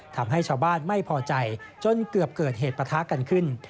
ทำให้ชาวบ้านไม่พอใจจนเกือบเกิดเหตุปะทะกันขึ้น